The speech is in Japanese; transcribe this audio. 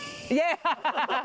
アハハハ！